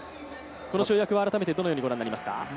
この跳躍は改めてどのように御覧になりますか？